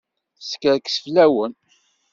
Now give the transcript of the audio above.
Teskerkes fell-awen.